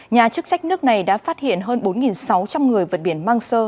nhà chức trách nước này đã phát hiện hơn bốn sáu trăm linh người vật biển mang sơ